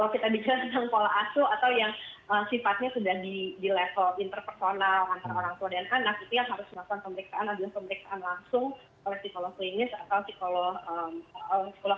sekali lagi kalau kita bicara tentang pola asuh